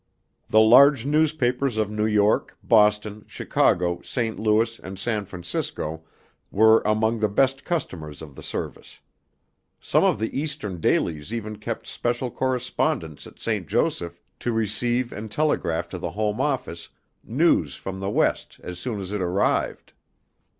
The large newspapers of New York, Boston, Chicago, St. Louis, and San Francisco were among the best customers of the service. Some of the Eastern dailies even kept special correspondents at St. Joseph to receive and telegraph to the home office news from the West as soon as it arrived.